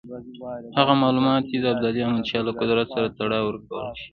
هغه معلومات دې د ابدالي احمدشاه له قدرت سره تړاو ورکړل شي.